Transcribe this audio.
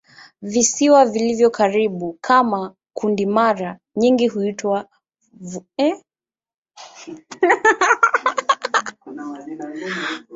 Visiwa vilivyo karibu kama kundi mara nyingi huitwa "funguvisiwa".